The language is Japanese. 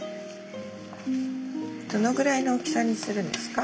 どのぐらいの大きさにするんですか？